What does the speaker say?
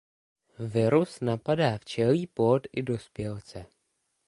Virus napadá včelí plod i dospělce.